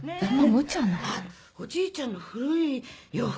あっおじいちゃんの古い洋服